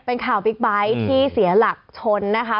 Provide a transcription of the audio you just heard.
เป็นข่าวบิ๊กไบท์ที่เสียหลักชนนะคะ